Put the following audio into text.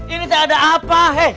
ini tak ada apa